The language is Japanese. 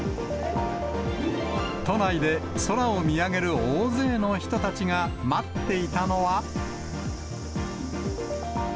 都内で空を見上げる大勢の人たちが待っていたのは。